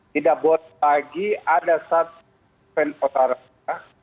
tidak buat lagi ada satu penutaran kita